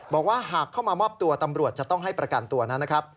บอกว่าหากเข้ามามอบตัวตำรวจจะต้องให้ประกันตัวนั้นนะครับ